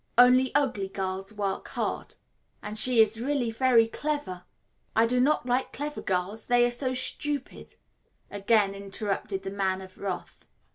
Only ugly girls work hard." " and she is really very clever " "I do not like clever girls, they are so stupid," again interrupted the Man of Wrath.